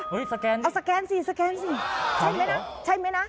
อุ๊ยสแกนสแกนสิใช่มั้ยนะใช่มั้ยนะ